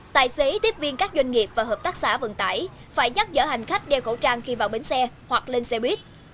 tài xế tiếp viên các doanh nghiệp và hợp tác xã vận tải phải nhắc dở hành khách đeo khẩu trang khi vào bến xe hoặc lên xe buýt